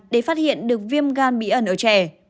để phát hiện được viêm gan bí ẩn ở trẻ